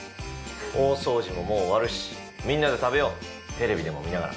大掃除ももう終わるしみんなで食べようテレビでも見ながら。